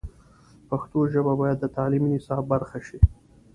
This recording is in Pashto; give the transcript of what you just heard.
پښتو ژبه باید د تعلیمي نصاب برخه شي.